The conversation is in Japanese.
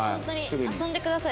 遊んでください